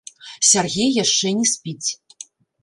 Сяргей яшчэ не спіць.